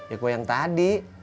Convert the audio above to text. ya kue yang tadi